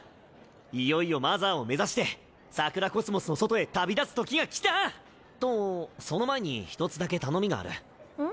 いよいよマザーを目指して桜宇宙の外へ旅立つ時が来た！とその前に１つだけ頼みがある。